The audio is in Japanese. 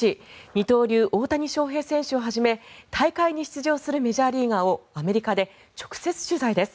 二刀流、大谷翔平選手をはじめ大会に出場するメジャーリーガーをアメリカで直接取材です。